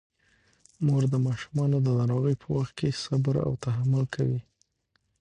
مور د ماشومانو د ناروغۍ په وخت کې صبر او تحمل کوي.